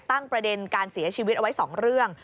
ประเด็นการเสียชีวิตเอาไว้๒เรื่อง